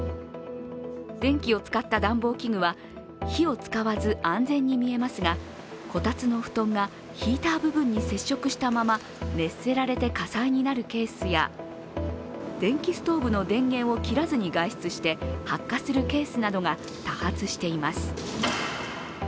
電気を使った暖房器具は火を使わず安全に見えますがこたつの布団がヒーター部分に接触したまま熱せられて火災になるケースや電気ストーブの電源を切らずに外出して発火するケースなどが多発しています。